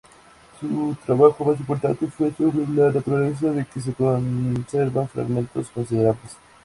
Su trabajo más importante fue "Sobre la naturaleza", del que se conservan fragmentos considerables.